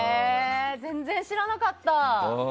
全然知らなかった。